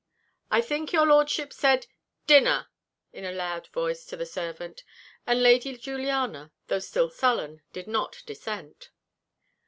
I think your Lordship said Dinner," in a loud voice to the servant; and Lady Juliana, though still sullen, did not dissent.